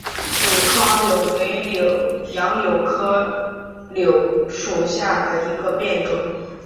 伪蒿柳为杨柳科柳属下的一个变种。